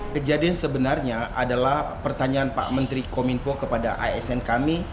kejadian sebenarnya adalah pertanyaan pak menteri komunikasi info kepada isn kami